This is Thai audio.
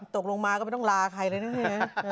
ตกลงมาก็ไม่ต้องลาใครเลยนะเนี่ยนะ